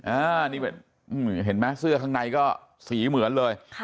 อันนี้เห็นไหมเสื้อข้างในก็สีเหมือนเลย